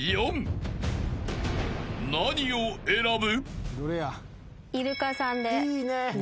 ［何を選ぶ？］